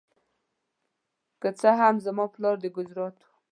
که څه هم زما پلار د ګجرات و.